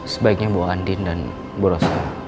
sebaiknya bu andin dan bu rosa